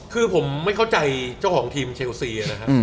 คือผมไม่เข้าใจเจ้าของทีมเชลซีนะครับ